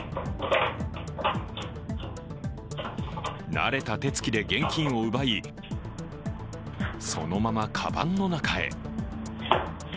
慣れた手つきで現金を奪いそのまま、かばんの中へ。